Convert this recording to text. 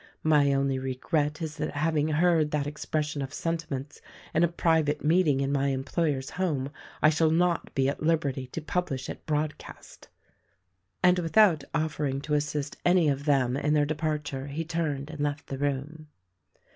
My only regret is that having heard that expression of sentiments in a private meeting in my employer's home I shall not be at liberty to publish it broadcast." And without offering to assist any of them in their departure he turned and left the room.